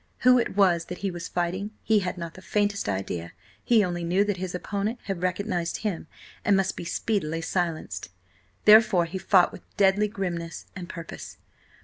Who it was that he was fighting, he had not the faintest idea; he only knew that his opponent had recognised him and must be speedily silenced. Therefore he fought with deadly grimness and purpose.